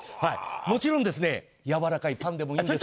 もちろん、やわらかいパンでもいいんですよ。